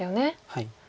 はい。